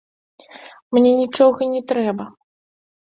Мне нічога не трэба.